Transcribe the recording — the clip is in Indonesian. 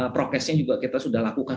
prokesnya juga kita sudah lakukan